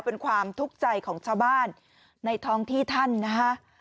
เป็นความทุกข์ใจของชาวบ้านในท้องที่ท่านนะฮะ